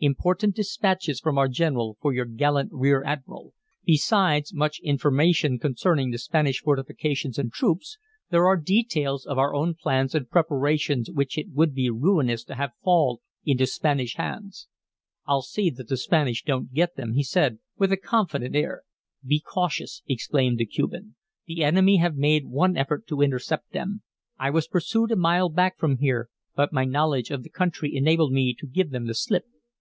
"Important dispatches from our general for your gallant rear admiral. Besides much information concerning the Spanish fortifications and troops, there are details of our own plans and preparations which it would be ruinous to have fall into Spanish hands." "I'll see that the Spanish don't get them," he said, with a confident air. "Be cautious," exclaimed the Cuban. "The enemy have made one effort to intercept them. I was pursued a mile back from here, but my knowledge of the country enabled me to give them the slip.